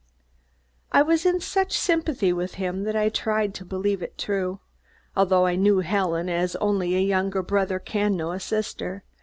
I was in such sympathy with him that I tried to believe it true, although I knew Helen as only a younger brother can know a sister.